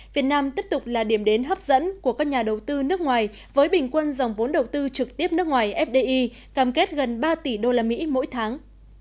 việt nam tiếp tục là điểm đến hấp dẫn của các nhà đầu tư nước ngoài với bình quân dòng vốn đầu tư trực tiếp nước ngoài fdi cam kết gần ba tỷ usd mỗi tháng